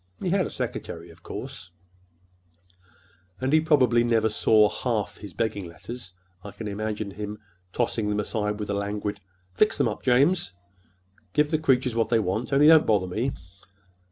He had a secretary, of course, and he probably never saw half his begging letters. I can imagine his tossing them aside with a languid 'Fix them up, James,—give the creatures what they want, only don't bother me.